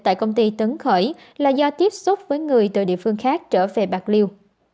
tại công ty tấn khởi là do tiếp xúc với người từ địa phương khác trở về bạc liêu